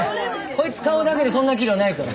こいつ顔だけでそんな器量ないから。